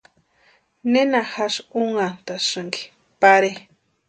¿Nena jásï únhantasïnki pare?